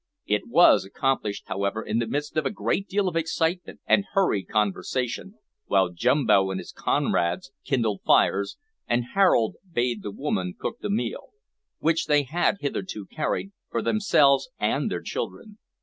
It was accomplished however in the midst of a deal of excitement and hurried conversation, while Jumbo and his comrades kindled fires, and Harold bade the women cook the meal which they had hitherto carried for themselves and their children.